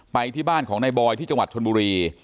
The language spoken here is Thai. ไปที่บ้านของนายบอยที่จังหวัดชนบุรี